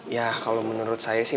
ya kalau menurut saya sih